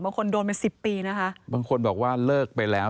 บางคนโดนไปสิบปีนะคะบางคนบอกว่าเลิกไปแล้ว